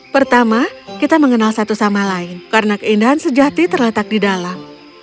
pertama kita mengenal satu sama lain karena keindahan sejati terletak di dalam